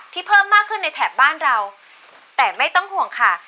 เพิ่มมากขึ้นในแถบบ้านเราแต่ไม่ต้องห่วงค่ะ